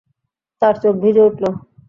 তার চোখ ভিজে উঠল।